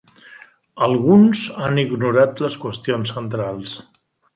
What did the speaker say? Alguns han ignorat les qüestions centrals.